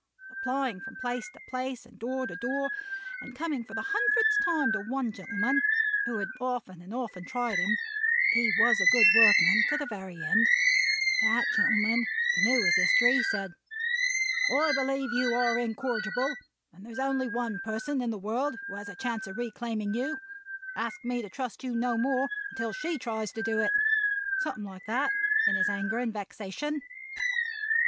Applying from place to place, and door to door; and coming for the hundredth time to one gentleman, who had often and often tried him (he was a good workman to the very end); that gentleman, who knew his history, said, 'I believe you are incorrigible; there's only one person in the world who has a chance of reclaiming you; ask me to trust you no more, until she tries to do it.' Something like that, in his anger and vexation."